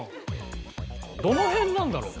どの辺なんだろう？